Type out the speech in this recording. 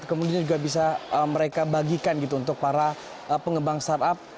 kemudian juga bisa mereka bagikan gitu untuk para pengembang startup